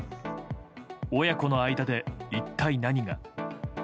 親子の間で一体何が。